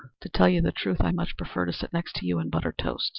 To tell the truth, I much prefer to sit next to you and butter toast."